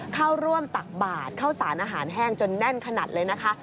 เข้าร่วมตักบาทเข้าสารอาหารแห้งจนแน่นขนาดเลยนะคะ